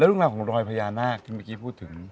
เรื่องราวของรอยพญานาคที่เมื่อกี้พูดถึง